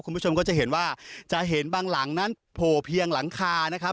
คุณผู้ชมก็จะเห็นว่าจะเห็นบางหลังนั้นโผล่เพียงหลังคานะครับ